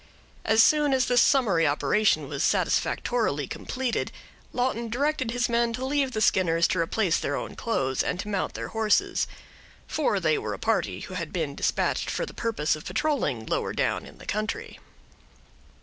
As soon as this summary operation was satisfactorily completed, Lawton directed his men to leave the Skinners to replace their own clothes, and to mount their horses; for they were a party who had been detached for the purpose of patrolling lower down in the county.